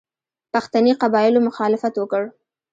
پښتني قبایلو مخالفت وکړ.